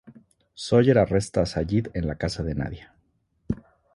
Sawyer arresta a sayid en la casa de Nadia.